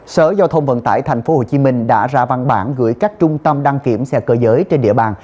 sở giao thông vận tải tp hcm đã ra văn bản gửi các trung tâm đăng kiểm xe cơ giới trên địa bàn